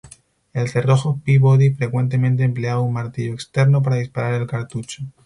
El cerrojo Peabody frecuentemente empleaba un martillo externo para disparar el cartucho.